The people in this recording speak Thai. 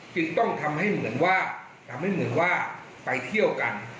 จึงต้องทำให้เหมือนว่าไปเที่ยวกัน